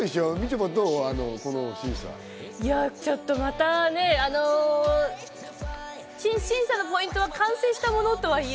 またちょっと、審査のポイントは完成したものとはいえ、